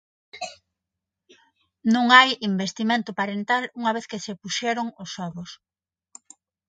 Non hai investimento parental unha vez que se puxeron os ovos.